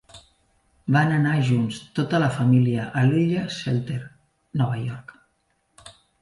Van anar junts, tota la família, a l'illa Shelter, Nova York.